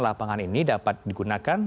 lapangan ini dapat digunakan